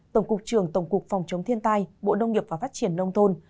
tổng cục trường tổng cục phòng chống thiên tai bộ nông nghiệp và phát triển nông thôn